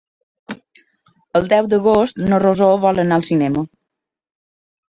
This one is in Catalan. El deu d'agost na Rosó vol anar al cinema.